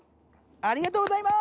ありがとうございます。